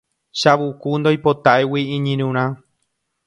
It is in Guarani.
Chavuku ndoipotáigui iñirũrã